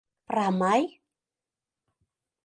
Прамай?